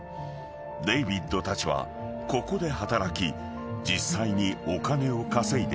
［デイビッドたちはここで働き実際にお金を稼いでいた］